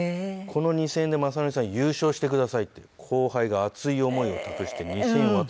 「この２０００円で雅紀さん優勝してください」って後輩が熱い思いを託して２０００円を渡して。